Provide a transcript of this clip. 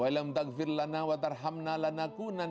cared dan takbirkan kita kemampuan kita